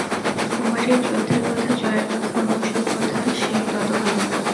-কুমারীর যুদ্ধের কথা, জয়ের কথা, অন্য সব কথা সে তত ভাবে না।